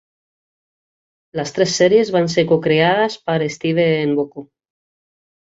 Les tres sèries van ser co-creades per Steven Bochco.